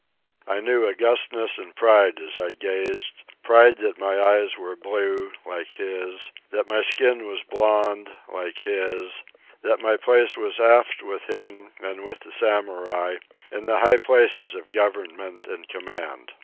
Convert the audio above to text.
I knew augustness and pride as I gazed—pride that my eyes were blue, like his; that my skin was blond, like his; that my place was aft with him, and with the Samurai, in the high place of government and command.